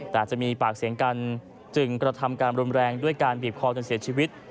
แต่จะมีปากเสียงกันจึงกระทำการรุนแรงด้วยการบีบคอจนเสียชีวิต